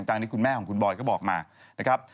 ตามที่คุณแม่ของคุณบอยก็บอกมานะครับ